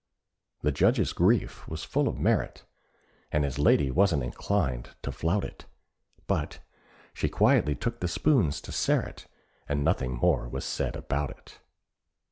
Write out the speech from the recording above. The Judge's grief was full of merit, And his lady wasn't inclined to flout it; But she quietly took the spoons to Sterret, And nothing more was said about it.